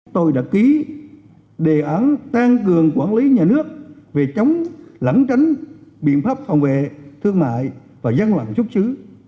tôi đã ký đề án tăng cường quản lý nhà nước về chống lẩn tránh biện pháp phòng vệ thương mại và gian loạn xuất xứ